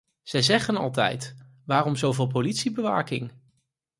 Zij zeggen altijd: waarom zoveel politiebewaking?